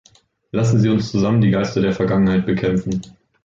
Lassen Sie uns zusammen die Geister der Vergangenheit bekämpfen.